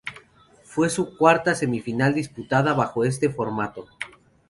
Fue su cuarta semifinal disputada bajo este formato.